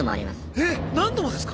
えっ何度もですか？